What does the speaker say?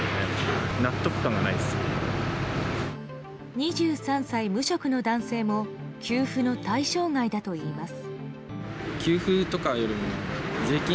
２３歳、無職の男性も給付の対象外だといいます。